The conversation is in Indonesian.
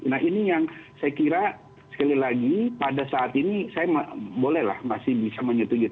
nah ini yang saya kira sekali lagi pada saat ini saya bolehlah masih bisa menyetujui